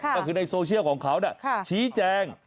ก็คือในโซเชียลของเขาชี้แจง